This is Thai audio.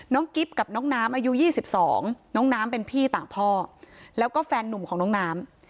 กิ๊บกับน้องน้ำอายุ๒๒น้องน้ำเป็นพี่ต่างพ่อแล้วก็แฟนนุ่มของน้องน้ำ